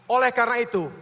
oleh karena itu